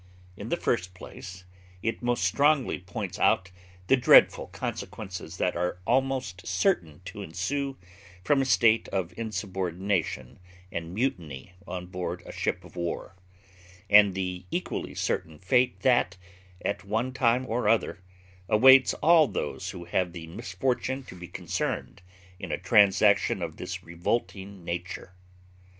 In the first place, it most strongly points out the dreadful consequences that are almost certain to ensue from a state of insubordination and mutiny on board a ship of war; and the equally certain fate that, at one time or other, awaits all those who have the misfortune to be concerned in a transaction of this revolting nature.